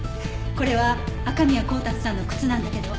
これは赤宮公達さんの靴なんだけど。